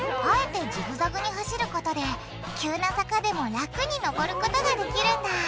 あえてジグザグに走ることで急な坂でも楽にのぼることができるんだ